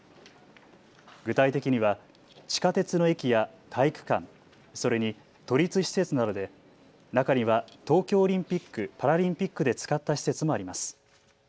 具体的には地下鉄の駅や体育館、それに都立施設などで中には東京オリンピック・パラリンピックで使った施設もあります。